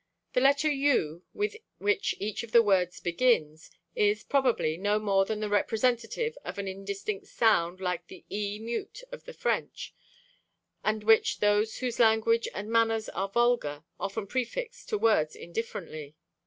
The letter U, with which each of the words begins, is, probably, no more than the representative of an indistinct sound like the E mute of the French, and which those whose language and manners are vulgar often prefix to words indifferently.